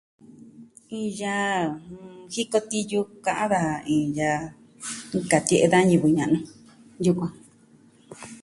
Iin yaa jiko tiyu ka'an daja iin yaa nkatie'e da ñivɨ ña'nu yukuan.